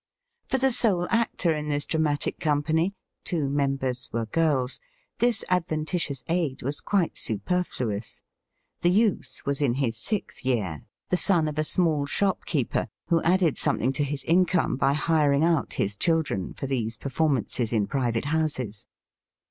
For the sole actor in this dramatic company (two members were girls) this adventitious aid was quite superfluous. The youth was in his sixth year, the son of a small shopkeeper, who added something to his income by hiring out his children for these performances in private houses.